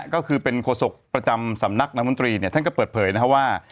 ก็คือเป็นโฆษกประจำสำนักนางมนตรีท่านก็เปิดเผยนะครับว่า